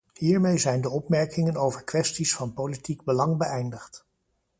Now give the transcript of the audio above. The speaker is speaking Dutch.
Hiermee zijn de opmerkingen over kwesties van politiek belang beëindigd.